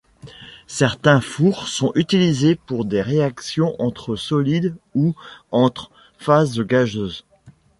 Certains fours sont utilisés pour des réactions entre solides ou entre phases gazeuses.